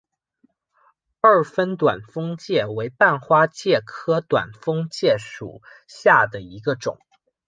二分短蜂介为半花介科短蜂介属下的一个种。